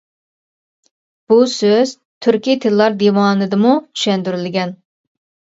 بۇ سۆز «تۈركىي تىللار دىۋانى» دىمۇ چۈشەندۈرۈلگەن.